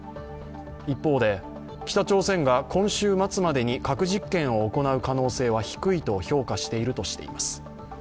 一方で、北朝鮮が今週末までに核実験を行う可能性は低いと評価しているとしています。